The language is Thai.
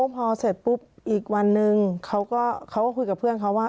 พอเสร็จปุ๊บอีกวันนึงเขาก็คุยกับเพื่อนเขาว่า